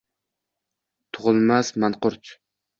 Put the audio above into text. туғилмас манқурт!